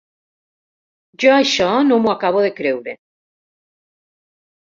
Jo això no m'ho acabo de creure.